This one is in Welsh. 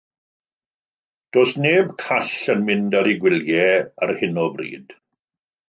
Does neb call yn mynd ar eu gwyliau ar hyn o bryd.